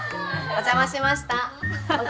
お邪魔しました。